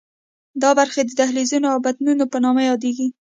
دا برخې د دهلیزونو او بطنونو په نامه یادېږي.